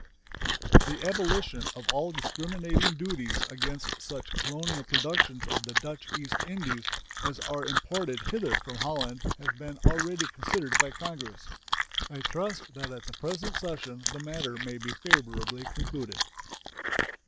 The abolition of all discriminating duties against such colonial productions of the Dutch East Indies as are imported hither from Holland has been already considered by Congress. I trust that at the present session the matter may be favorably concluded.